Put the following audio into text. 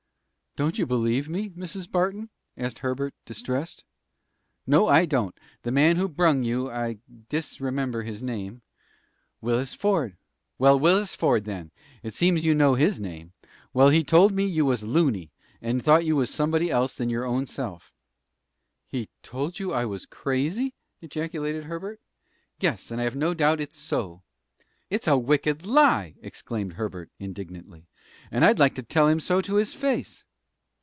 "Don't you believe me, Mrs. Barton?" asked Herbert, distressed. "No, I don't. The man who brung you I dis remember his name " "Willis Ford." "Well, Willis Ford, then! It seems you know his name. Well, he told me you was loony, and thought you was somebody else than your own self." "He told you that I was crazy?" ejaculated Herbert. "Yes; and I have no doubt it's so." "It's a wicked lie!" exclaimed Herbert, indignantly; "and I'd like to tell him so to his face."